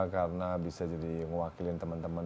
karena bisa jadi ngewakilin teman teman